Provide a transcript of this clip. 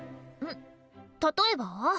例えば？